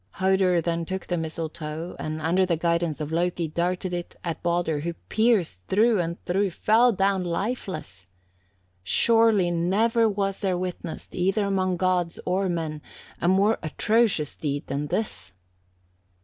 58. "Hodur then took the mistletoe, and under the guidance of Loki, darted it at Baldur, who, pierced through and through, fell down lifeless. Surely never was there witnessed, either among gods or men, a more atrocious deed than this!